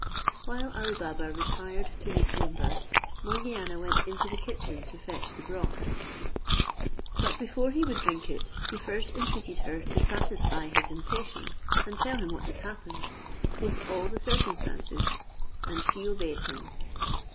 While Ali Baba retired to his chamber, Morgiana went into the kitchen to fetch the broth, but before he would drink it, he first entreated her to satisfy his impatience, and tell him what had happened, with all the circumstances; and she obeyed him.